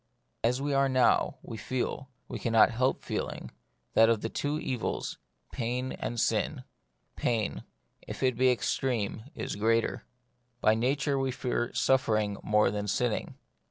As we are now, we feel, and can not help feeling, that of the two evils, pain and sin, pain, if it be extreme, is the greater. By nature we fear suffering more than sinning.